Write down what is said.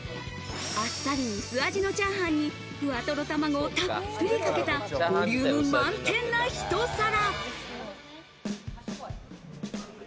あっさり薄味のチャーハンにふわとろ卵をたっぷりかけた、ボリューム満点なひと皿。